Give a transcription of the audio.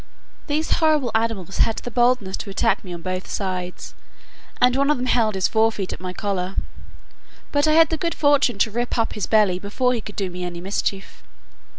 These horrible animals had the boldness to attack me on both sides, and one of them held his forefeet at my collar; but I had the good fortune to rip up his belly before he could do me any mischief.